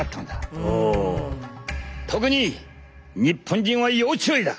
特に日本人は要注意だ！